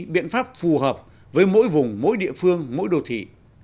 biện pháp phù hợp với mỗi vùng mỗi địa phương mỗi đô thị